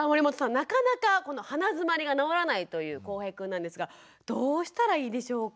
なかなかこの鼻づまりが治らないというこうへいくんなんですがどうしたらいいでしょうか？